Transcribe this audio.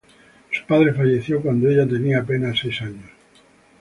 Su padre falleció cuando ella tenía apenas seis años.